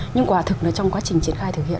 nhưng quả thực là trong quá trình triển khai thực hiện